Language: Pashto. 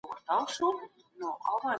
د نړيوالې ورځې نمانځنه یوازې کافي نه ده.